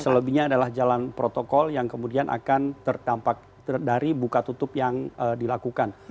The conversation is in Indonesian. selebihnya adalah jalan protokol yang kemudian akan terdampak dari buka tutup yang dilakukan